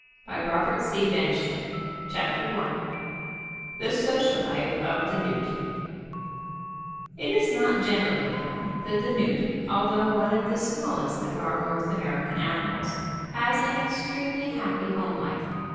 I THE SOCIAL LIFE OF THE NEWT It is not generally known that the newt, although one of the smallest of our North American animals, has an extremely happy home life.